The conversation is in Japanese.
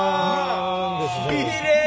きれい！